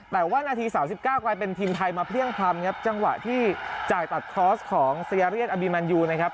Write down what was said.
แต่ว่านาที๓๙กลายเป็นทีมไทยมาเพลี่ยงพรรมครับจังหวะที่จ่ายตัดคอร์สของสยาเรียนอบีแมนยูนะครับ